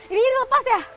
ini lepas ya